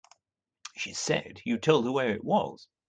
She said you told her where it was.